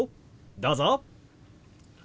どうぞ！